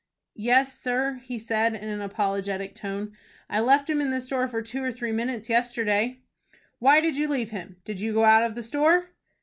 "Yes, sir," he said, in an apologetic tone, "I left him in the store for two or three minutes yesterday." "Why did you leave him? Did you go out of the store?"